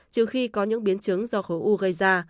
trừ khi có những biến chứng do khối u gây ra